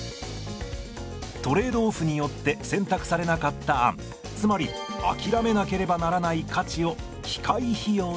トレード・オフによって選択されなかった案つまりあきらめなければならない価値を機会費用といいます。